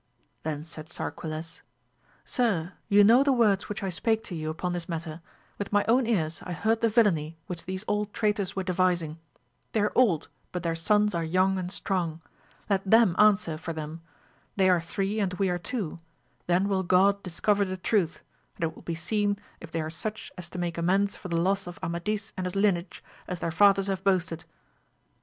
Then said Sar(3[uiles, Sir, you know the words which I spake to you upon this matter ; with my own ears I heard the villainy which these old traitors were devising ; they are old, but their sons are young and strong ; let them answer for them, they are three and we are two, then will God discover the truth, and it will be seen if they are such as to make amends for the loss of Amadis and his lineage as their fathers have boasted